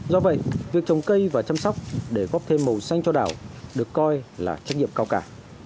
do vậy việc trồng cây và chăm sóc để góp thêm màu xanh cho đảo được coi là trách nhiệm cao cả